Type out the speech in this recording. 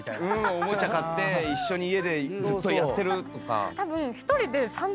おもちゃ買って一緒に家でずっとやってるとか。